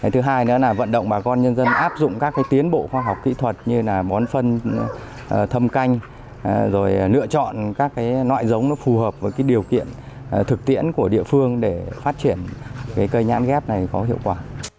thứ hai nữa là vận động bà con nhân dân áp dụng các tiến bộ khoa học kỹ thuật như là bón phân thâm canh rồi lựa chọn các loại giống nó phù hợp với điều kiện thực tiễn của địa phương để phát triển cây nhãn ghép này có hiệu quả